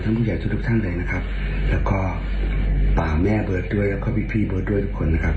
ผู้ใหญ่ทุกทุกท่านเลยนะครับแล้วก็ป่าแม่เบิร์ตด้วยแล้วก็พี่เบิร์ตด้วยทุกคนนะครับ